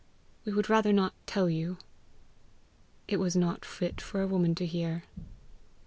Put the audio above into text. "We would rather not tell you." "It was not fit for a woman to hear."